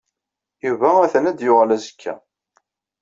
Yuba ha-t-an ad yuɣal azekka.